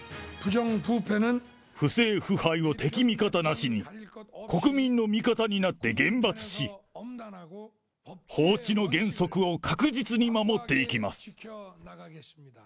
不正腐敗を敵味方なしに、国民の味方になって厳罰し、法治の原則を確実に守っていきます。